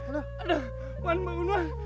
aduh nuan bangun nuan